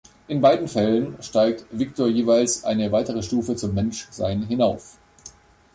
In beiden Fällen steigt Victor jeweils eine weitere Stufe zum „Menschsein“ hinauf.